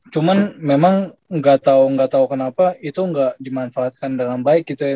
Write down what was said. cuman memang gak tau kenapa itu gak dimanfaatkan dengan baik gitu ya